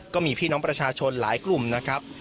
ก็มีพี่น้องประชาชนหลายกลุ่มนะครับ